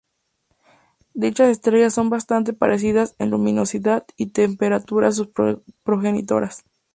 Dichas estrellas son bastante parecidas en luminosidad y temperatura a sus progenitoras.